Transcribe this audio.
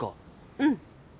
うん。